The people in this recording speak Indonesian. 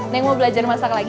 neng mau belajar masak lagi